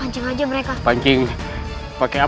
centranya mereka pancing kayak apa